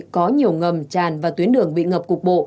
có nhiều ngầm tràn và tuyến đường bị ngập cục bộ